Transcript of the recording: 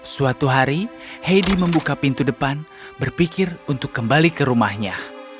suatu hari heidi membuka pintu depan berpikir untuk kembali ke rumahnya